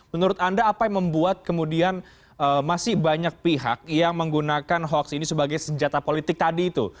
menurut anda apa yang membuat kemudian masih banyak pihak yang menggunakan hoax ini sebagai senjata politik tadi itu